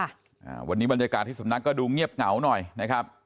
อ่าวันนี้บรรยากาศที่สำนักก็ดูเงียบเหงาหน่อยนะครับ